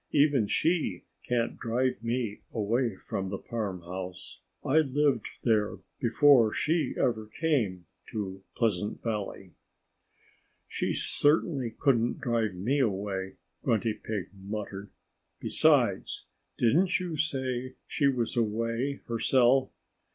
Even she can't drive me away from the farmhouse. I lived there before she ever came to Pleasant Valley." "She certainly couldn't drive me away," Grunty Pig muttered. "Besides, didn't you say she was away herself?"